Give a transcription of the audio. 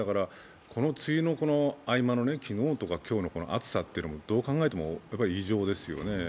この梅雨の合間の昨日とか今日の暑さはどう考えても異常ですよね。